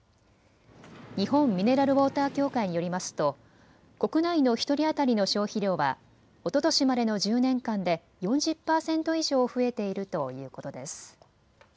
日本ミネラルウォーター協会によりますと国内の１人当たりの消費量はおととしまでの１０年間で４０％以上増えているということです。